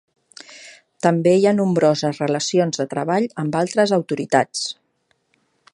També hi ha nombroses relacions de treball amb altres autoritats.